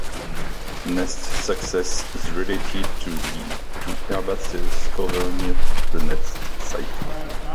Nest success is related to herbaceous cover near the nest site.